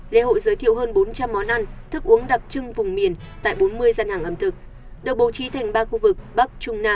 lễ hội giới thiệu hơn bốn trăm linh món ăn thức uống đặc trưng vùng miền tại bốn mươi gian hàng ẩm thực được bố trí thành ba khu vực bắc trung nam